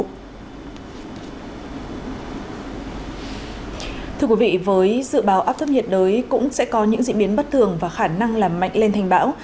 thưa quý vị với dự báo áp thấp nhiệt đới cũng sẽ có những diễn biến bất thường và khả năng làm mạnh lên thành bão